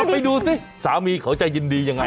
ไปดูสิสามีเขาจะยินดียังไง